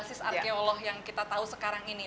yang merupakan sebuah arkeolog yang kita tahu sekarang ini